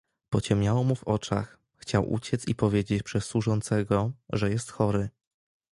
"Pociemniało mu w oczach, chciał uciec i powiedzieć przez służącego, że jest chory."